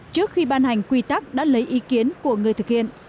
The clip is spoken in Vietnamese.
trước khi ban hành quy tắc đã lấy ý kiến của người thực hiện